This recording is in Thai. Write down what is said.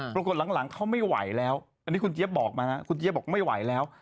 ปรากฏหลังเขาไม่ไหวแล้วอันนี้คุณเจี๊ยบบอกมานะคุณเจี๊ยบอกไม่ไหวแล้ว